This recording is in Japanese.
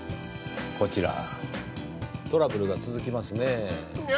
こちらトラブルが続きますね。